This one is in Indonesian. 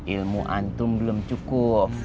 ilmu antum belum cukup